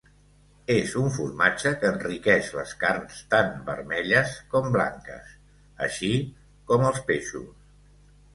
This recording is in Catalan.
És un formatge que enriqueix les carns tant vermelles com blanques, així com els peixos.